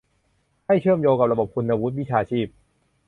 ให้เชื่อมโยงกับระบบคุณวุฒิวิชาชีพ